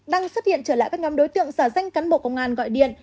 đang xuất hiện trở lại các nhóm đối tượng giả danh cán bộ công an gọi điện